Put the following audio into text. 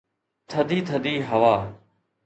ٿڌي ٿڌي هوا